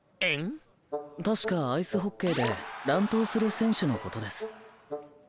確かアイスホッケーで乱闘する選手のことです。